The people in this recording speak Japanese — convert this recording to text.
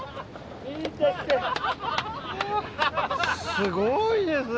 ・すごいですね